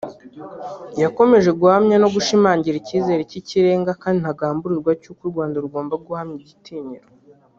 yakomeje guhamya no gushimangira icyizere cy’ikirenga kandi ntagamburuzwa cy’uko u Rwanda rugomba guhamya igitinyiro